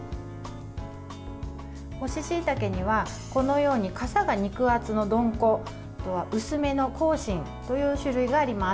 干ししいたけには、このようにかさが肉厚のどんこと薄めのこうしんという種類があります。